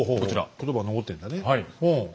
言葉が残ってんだねほう。